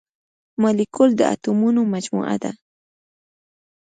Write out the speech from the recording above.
مالیکول د اتومونو مجموعه ده.